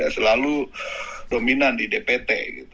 selalu dominan di dpt